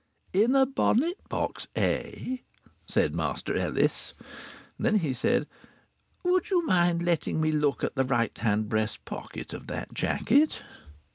"In a bonnet box, eh?" said Master Ellis. Then he said: "Would you mind letting me look at the right hand breast pocket of that jacket?"